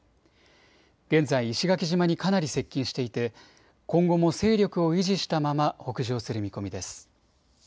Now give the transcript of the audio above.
現在、石垣島にかなり接近していて今後も勢力を維持したまま北上する見込みです。